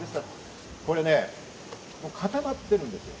これ固まってるんです。